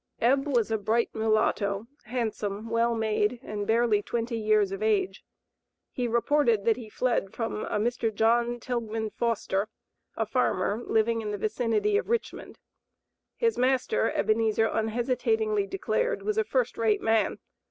"Eb" was a bright mulatto, handsome, well made, and barely twenty years of age. He reported that he fled from Mr. John Tilghman Foster, a farmer, living in the vicinity of Richmond. His master, Ebenezer unhesitatingly declared, was a first rate man.